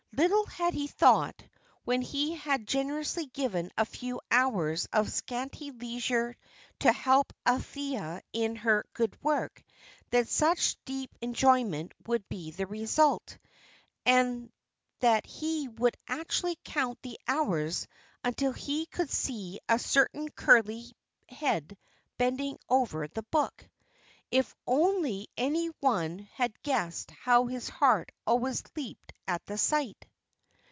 Little had he thought, when he had generously given a few hours of his scanty leisure to help Althea in her good work, that such deep enjoyment would be the result, and that he would actually count the hours until he could see a certain curly head bending over the book. If only any one had guessed how his heart always leaped at the sight!